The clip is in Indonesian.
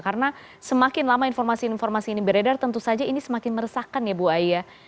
karena semakin lama informasi informasi ini beredar tentu saja ini semakin meresahkan ya bu ayah